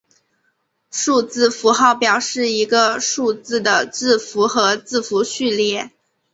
数字符号表示一个数字的字符和字符序列。